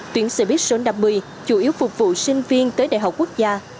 tuyến xe buýt số năm mươi chủ yếu phục vụ sinh viên tới đại học quốc gia